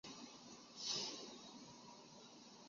汉代时乐府诗形成。